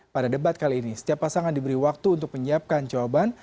pada debat kali ini setiap pasangan diberi waktu untuk menyiapkan jawaban